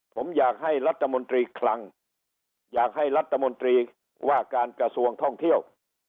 ผมอยากให้รัฐมนตรีคลังอยากให้รัฐมนตรีว่าการกระทรวงท่องเที่ยว